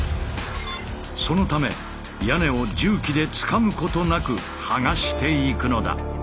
そのため屋根を重機でつかむことなく剥がしていくのだ。